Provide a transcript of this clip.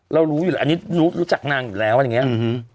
รู้อยู่แล้วอันนี้รู้รู้จักนางอยู่แล้วอะไรอย่างเงี้อืม